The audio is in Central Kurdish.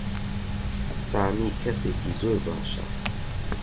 سامی کەسێکی زۆر باشە.